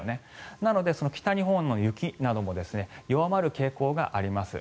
なので、北日本の雪なども弱まる傾向があります。